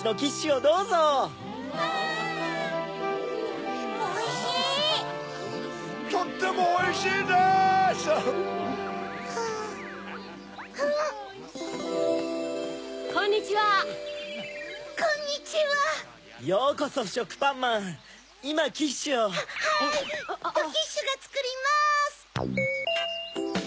ドキッシュがつくります！